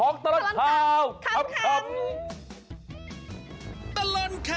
ในช่วงของตะลอนข่าวขำ